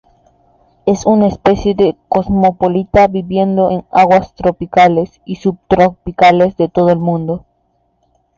Es una especie cosmopolita, viviendo en aguas tropicales y subtropicales de todo el mundo.